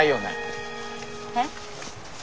えっ？